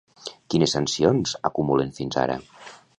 Quines sancions acumulen fins ara?